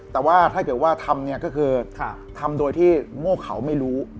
แต่ว่าถ้าเกิดว่าทำเนี่ยก็คือทำโดยที่โง่เขาไม่รู้